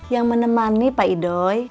yang menemani pak idoi